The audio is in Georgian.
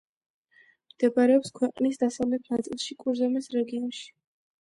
მდებარეობს ქვეყნის დასავლეთ ნაწილში, კურზემეს რეგიონში.